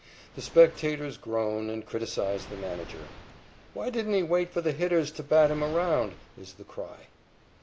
The spectators groan and criticise the manager. "Why didn't he wait for the hitters to bat him around?" is the cry.